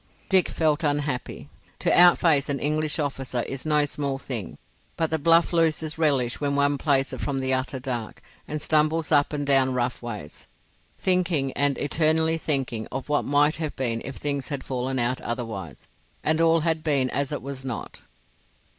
Dick felt unhappy. To outface an English officer is no small thing, but the bluff loses relish when one plays it from the utter dark, and stumbles up and down rough ways, thinking and eternally thinking of what might have been if things had fallen out otherwise, and all had been as it was not.